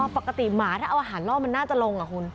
ปกติหมาถ้าเอาอาหารล่อมันน่าจะลงอ่ะคุณ